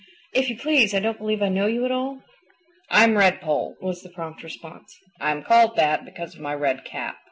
If you please, I don't believe I know you at all." "I'm Redpoll," was the prompt response. "I am called that because of my red cap.